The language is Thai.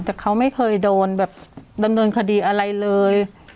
แต่เขาไม่เคยโดนแบบดำเนินคดีอะไรเลย